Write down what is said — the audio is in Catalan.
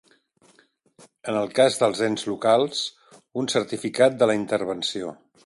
En el cas dels ens locals, un certificat de la Intervenció.